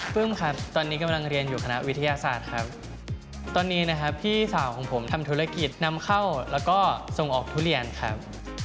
ปลื้มครับตอนนี้กำลังเรียนอยู่คณะวิทยาศาสตร์ครับตอนนี้นะครับพี่สาวของผมทำธุรกิจนำเข้าแล้วก็ส่งออกทุเรียนครับ